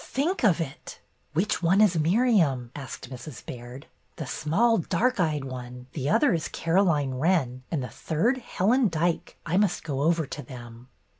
Think of it!" Which one is Miriam? " asked Mrs. Baird. '' The small, dark eyed one. The other is Caro line Wren, and the third Helen Dyke. I must go over to them."